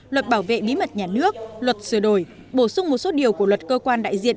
luật bảo vệ bí mật nhà nước luật sửa đổi bổ sung một số điều của luật cơ quan đại diện